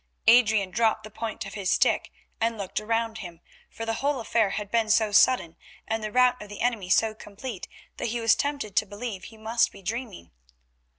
Adrian dropped the point of his stick and looked round him, for the whole affair had been so sudden, and the rout of the enemy so complete, that he was tempted to believe he must be dreaming.